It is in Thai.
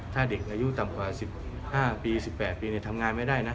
ถ้าเด็กอายุต่ำกว่า๑๕ปี๑๘ปีทำงานไม่ได้นะ